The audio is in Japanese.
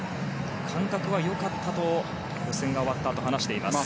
感覚は良かったと予選が終わったあと話しています。